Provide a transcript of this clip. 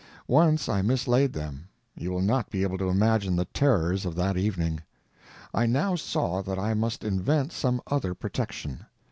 Once I mislaid them; you will not be able to imagine the terrors of that evening. I now saw that I must invent some other protection.